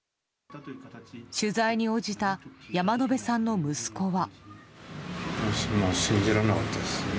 取材に応じた山野辺さんの息子は。